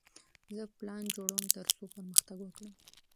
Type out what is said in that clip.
زه پلان جوړوم ترڅو پرمختګ وکړم.